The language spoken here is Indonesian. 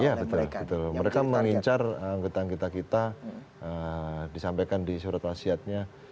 iya betul mereka mengincar anggota kita kita disampaikan di surat wasiatnya